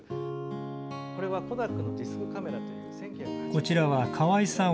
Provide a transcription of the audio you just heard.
こちらは、川井さん